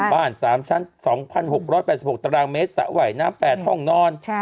บ้าน๓ชั้น๒๖๘๖ตารางเมตรสระว่ายน้ำ๘ห้องนอน